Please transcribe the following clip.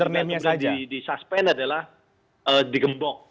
akun kemarin yang kita di suspend adalah di gembok